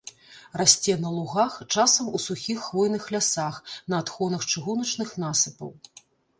Расце на лугах, часам у сухіх хвойных лясах, на адхонах чыгуначных насыпаў.